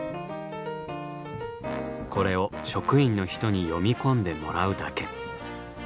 これを職員の人に読み込んでもらうだけ。